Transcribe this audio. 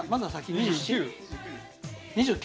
２９？